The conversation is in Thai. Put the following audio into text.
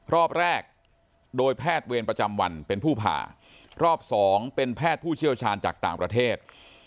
รอบแรกโดยแพทย์เวรประจำวันเป็นผู้ผ่ารอบสองเป็นแพทย์ผู้เชี่ยวชาญจากต่างประเทศ